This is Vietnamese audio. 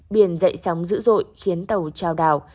biển dậy sóng dữ dội khiến tàu trao đảo